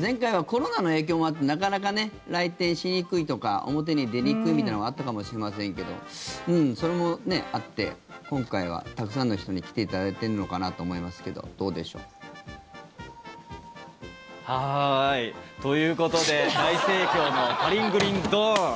前回はコロナの影響もあってなかなか来店しにくいとか表に出にくいみたいのがあったかもしれませんけどそれもあって今回はたくさんの人に来ていただいてるのかなと思いますけど、どうでしょう。ということで大盛況の「パリングリンドーン」。